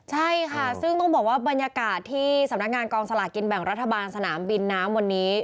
ใช่ค่ะซึ่งต้องบอกว่าบรรยากาศที่สำนักงานกองสลากกินแบ่งรัฐบาลสนามบินน้ำวันนี้